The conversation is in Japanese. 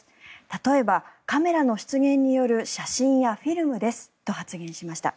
例えば、カメラの出現による写真やフィルムですと発言しました。